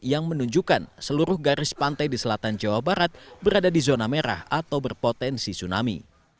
yang menunjukkan seluruh garis pantai di selatan jawa barat berada di zona merah atau berpotensi tsunami